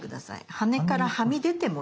羽からはみ出てもいい。